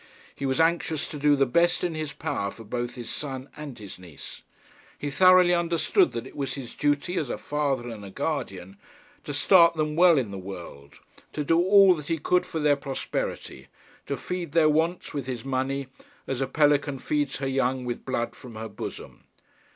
He was anxious to do the best in his power for both his son and his niece. He thoroughly understood that it was his duty as a father and a guardian to start them well in the world, to do all that he could for their prosperity, to feed their wants with his money, as a pelican feeds her young with blood from her bosom.